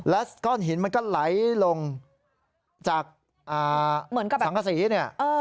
และก้อนหินมันก็ไหลลงจากสังฆษี